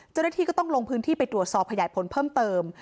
เจ้าหน้าที่ก็ต้องลงพื้นที่ไปตรวจสอบขยายผลเพิ่มเติม